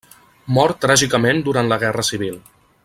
Mor tràgicament durant la Guerra Civil.